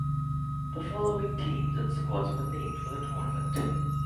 The following teams and squads were named for the tournament.